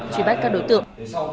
truy bắt các đối tượng